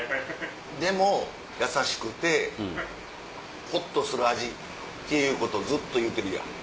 でもやさしくてほっとする味っていうことずっと言うてるやん。